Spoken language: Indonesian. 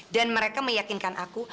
dan mereka meyakinkan aku